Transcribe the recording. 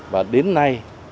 và đến nay